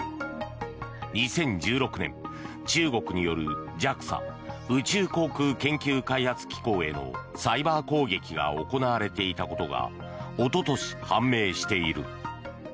２０１６年、中国によるＪＡＸＡ・宇宙航空研究開発機構へのサイバー攻撃が行われていたことがおととし判明している。